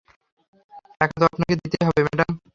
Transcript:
টাকা তো আপনাকে দিতেই হবে ম্যাডাম।